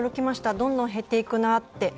どんどん減っていくなと。